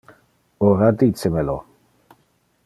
Ora dice me lo.